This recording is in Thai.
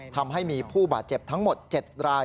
ทำให้มีผู้บาดเจ็บทั้งหมด๗ราย